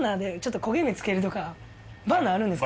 バーナーあるんですか？